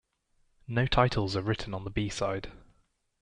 No titles are written on the B-side.